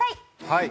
はい。